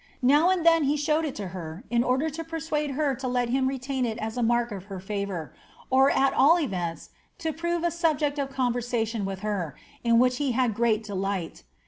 Now and then he showed to her, in order to persuade her to let him retain it at a mark of h< favour, or at all erenta to prore a subject of conversation with her, i which he had great delight.